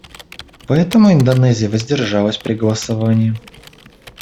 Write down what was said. Поэтому Индонезия воздержалась при голосовании.